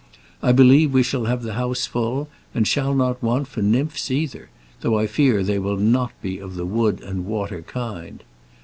I believe we shall have the house full, and shall not want for nymphs either, though I fear they will not be of the wood and water kind.